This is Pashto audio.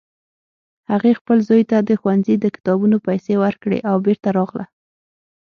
هغې خپل زوی ته د ښوونځي د کتابونو پیسې ورکړې او بیرته راغله